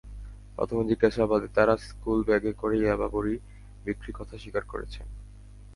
প্রাথমিক জিজ্ঞাসাবাদে তাঁরা স্কুলব্যাগে করে ইয়াবা বড়ি বিক্রির কথা স্বীকার করেছেন।